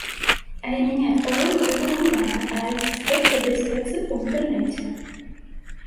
Але мяняць паролі трэба рэгулярна, раіць эксперт па бяспецы ў інтэрнэце.